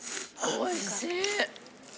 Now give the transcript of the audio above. おいしい！